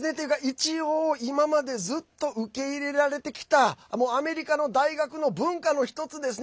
一応、今までずっと受け入れられてきたアメリカの大学の文化の１つですね。